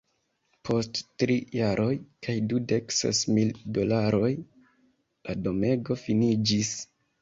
Post tri jaroj kaj dudek ses mil dolaroj, la domego finiĝis.